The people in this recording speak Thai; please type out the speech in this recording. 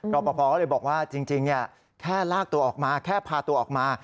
รอปภก็เลยบอกว่าจริงแค่ลากตัวออกมาแค่พาตัวออกมา